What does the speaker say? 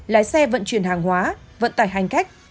lái xe vận chuyển hàng hóa vận tải hành khách